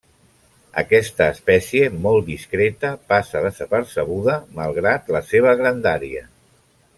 Aquesta espècie, molt discreta, passa desapercebuda, malgrat la seva grandària.